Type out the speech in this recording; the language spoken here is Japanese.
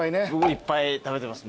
いっぱい食べてます。